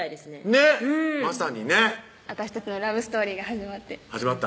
ねっまさにね私たちのラブストーリーが始まって始まった？